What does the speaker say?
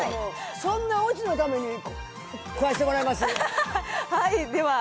そんなオチのために、食わしてもらいます。